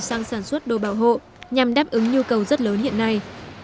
sang sản xuất đồ bảo hộ nhằm đáp ứng nhu cầu rất lớn hiện nay